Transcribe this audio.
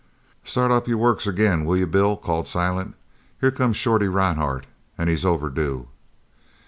"Start up your works agin, will you, Bill?" called Silent. "Here comes Shorty Rhinehart, an' he's overdue."